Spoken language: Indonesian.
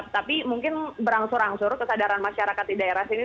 tapi mungkin berangsur angsur kesadaran masyarakat di daerah sini